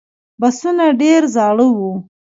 بسونه ډېر زاړه و.